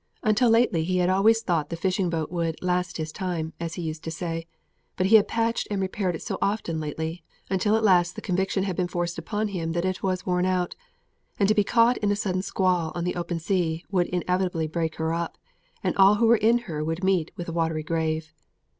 Until lately he had always thought the fishing boat would "last his time," as he used to say; but he had patched and repaired it so often lately, until at last the conviction had been forced upon him that it was worn out; and to be caught in a sudden squall on the open sea, would inevitably break her up, and all who were in her would meet with a watery grave.